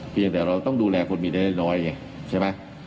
เพียงแต่เราต้องดูแลคนมีได้น้อยไงใช่ไหม